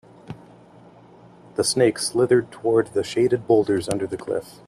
The snake slithered toward the shaded boulders under the cliff.